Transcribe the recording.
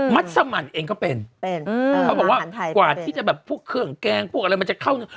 ัสสมันเองก็เป็นเป็นเขาบอกว่ากว่าที่จะแบบพวกเครื่องแกงพวกอะไรมันจะเข้าเนื้อ